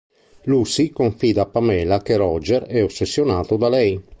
Lucy confida a Pamela che Roger è ossessionato da lei.